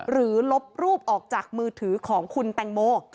ลบรูปออกจากมือถือของคุณแตงโม